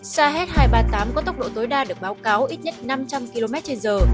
sh hai trăm ba mươi tám có tốc độ tối đa được báo cáo ít nhất năm trăm linh km trên giờ